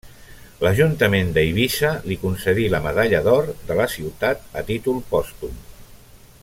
L'ajuntament d'Eivissa li concedí la medalla d'or de la ciutat a títol pòstum.